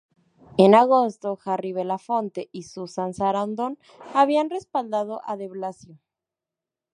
En agosto, Harry Belafonte y Susan Sarandon habían respaldado a de Blasio.